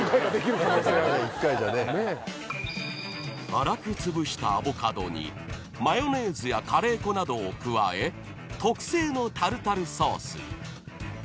［粗くつぶしたアボカドにマヨネーズやカレー粉などを加え特製のタルタルソースに］